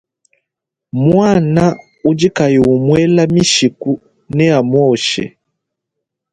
Muana udi kayi umuela mishiku neamuoshe.